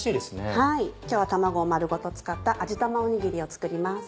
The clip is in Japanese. はい今日は卵を丸ごと使った味玉おにぎりを作ります。